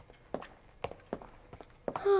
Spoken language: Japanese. ああ！